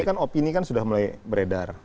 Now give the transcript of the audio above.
ini kan opini sudah mulai beredar